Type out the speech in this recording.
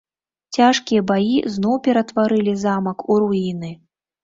Цяжкія баі зноў ператварылі замак у руіны.